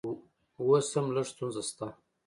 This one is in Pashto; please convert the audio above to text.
اوس هم لږ ستونزه شته